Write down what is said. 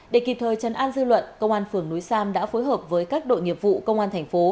để kịp thời chân an dư luận công an phường núi sam đã phối hợp với các đội nghiệp vụ công an thành phố